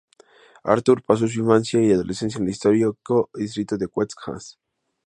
Arthur pasó su infancia y adolescencia en el histórico distrito de West Adams.